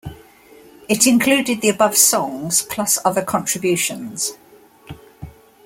It included the above songs, plus other contributions.